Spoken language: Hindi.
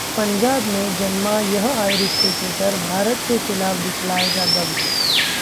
पंजाब में जन्मा यह आयरिश क्रिकेटर भारत के खिलाफ दिखाएगा दम